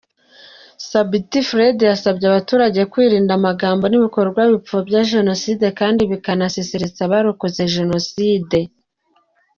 Sabiti Fred yasabye abaturage kwirinda amagambo n’ibikorwa bipfobya Jenoside kandi bikanasesereza abarakotse Jenoside.